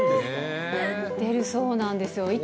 出るそうなんですよ。